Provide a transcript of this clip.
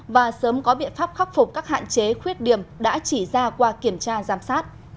và sớm có biện pháp khắc phục các hạn chế khuyết điểm đã chỉ ra qua kiểm tra giám sát